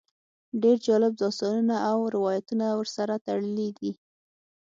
ډېر جالب داستانونه او روایتونه ورسره تړلي دي.